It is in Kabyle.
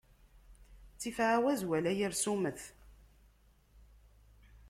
Ttif aɛwaz wala yir summet.